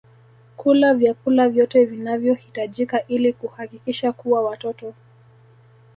kula vyakula vyote vinavyohitajika ili kuhakikisha kuwa watoto